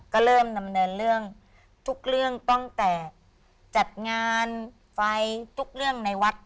ก็เริ่มดำเนินเรื่องทุกเรื่องตั้งแต่จัดงานไฟทุกเรื่องในวัด